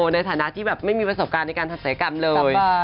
ในฐานะที่แบบไม่มีประสบการณ์ในการทำศัยกรรมเลย